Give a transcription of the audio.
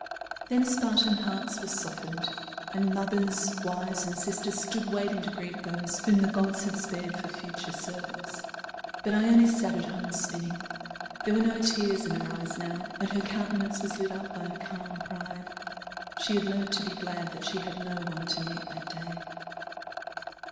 Then Spartan hearts were softened, and mothers, wives, and sisters stood waiting to greet those whom the gods had spared for further service. But Ione sat at home spinning. There were no tears in her eyes now, and her countenance was lit up by a calm pride. She had learnt to be glad that she had no one to meet that day.